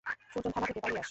সুজন থানা থেকে পালিয়ে আসে।